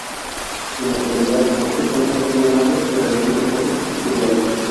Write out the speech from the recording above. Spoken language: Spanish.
En la actualidad por este tramo del río Navia se realizan deportes fluviales.